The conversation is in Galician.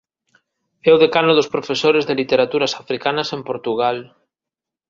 É o decano dos profesores de Literaturas Africanas en Portugal.